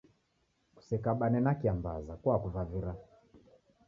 Kusekabane na kiambaza, kuakuvavira